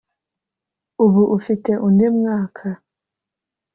ubu ufite undi mwaka;